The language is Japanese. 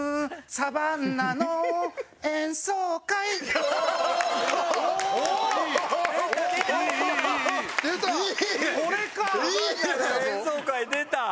「サバンナの演奏会」出た！